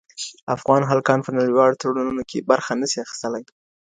افغان هلکان په نړیوالو تړونونو کي برخه نه سي اخیستلای.